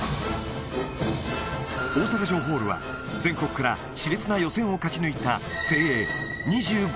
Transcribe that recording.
大阪城ホールは、全国からしれつな予選を勝ち抜いた精鋭２５